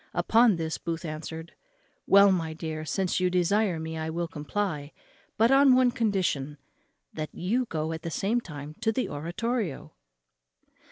Upon this Booth answered, "Well, my dear, since you desire me, I will comply, but on one condition, that you go at the same time to the oratorio."